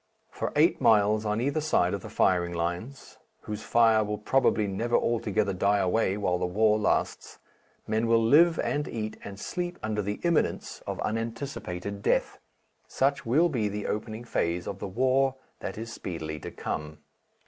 For eight miles on either side of the firing lines whose fire will probably never altogether die away while the war lasts men will live and eat and sleep under the imminence of unanticipated death.... Such will be the opening phase of the war that is speedily to come.